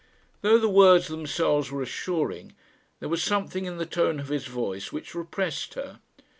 Though the words themselves were assuring, there was something in the tone of his voice which repressed her.